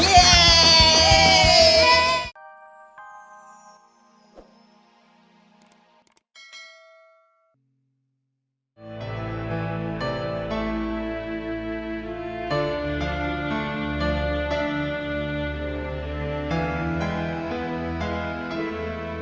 hehehe dengan kekuatan naruto datanglah